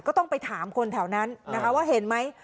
ก็ต้องไปถามคนแถวนั้นนะคะว่าเห็นไหม